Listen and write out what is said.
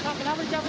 kenapa di cabut